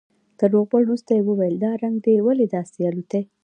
تر روغبړ وروسته يې وويل دا رنگ دې ولې داسې الوتى.